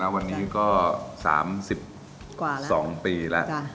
๒๕๒๗นะวันนี้ก็๓๒ปีแล้ว